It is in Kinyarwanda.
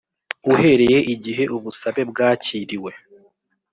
Uhereye igihe ubusabe bwakiriwe